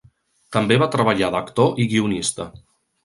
També va treballar d'actor i guionista.